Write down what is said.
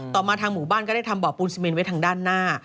มาทางหมู่บ้านก็ได้ทำบ่อปูนซีเมนไว้ทางด้านหน้า